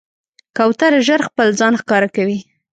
کوتره ژر خپل ځان ښکاره کوي.